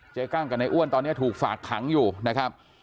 กั้งกับนายอ้วนตอนนี้ถูกฝากขังอยู่นะครับ